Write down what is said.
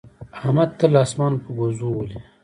احمد تل اسمان په ګوزو ولي.